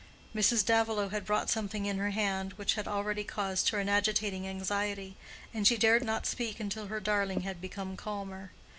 Mrs. Davilow had brought something in her hand which had already caused her an agitating anxiety, and she dared not speak until her darling had become calmer.